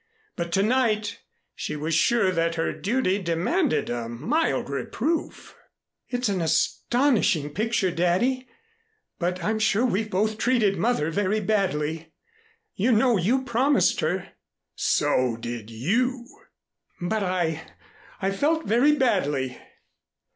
But to night she was sure that her duty demanded a mild reproof. "It's an astonishing picture, Daddy, but I'm sure we've both treated Mother very badly. You know you promised her " "So did you " "But I I felt very badly."